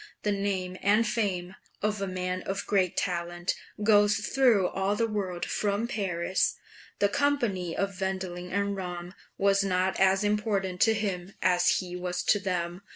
The name and fame of a man of great talent goes through all the world from Paris." The company of Wendling and Ramm was not as important to him as his was to them.